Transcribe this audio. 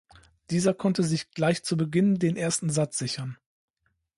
Dieser konnte sich gleich zu Beginn den ersten Satz sichern.